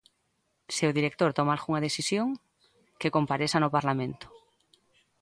Se o director toma algunha decisión, que compareza no Parlamento.